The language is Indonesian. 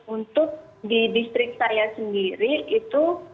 untuk di distrik saya sendiri itu